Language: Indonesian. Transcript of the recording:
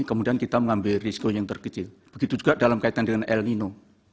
kemudian kita mengambil risiko yang terkecil begitu juga dalam kaitan dengan el nino